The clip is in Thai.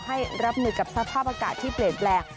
ให้รับมือกับสภาพอากาศที่เปลี่ยนแปลง